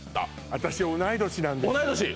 私同い年なんです同い年？